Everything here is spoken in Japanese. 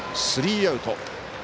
スリーアウト。